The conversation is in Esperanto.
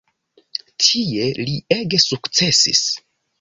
Tie li ege sukcesis.